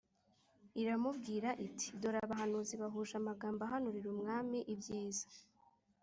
iramubwira iti “Dore abahanuzi bahuje amagambo ahanurira umwami ibyiza